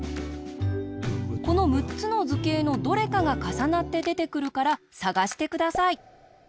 このむっつのずけいのどれかがかさなってでてくるからさがしてください。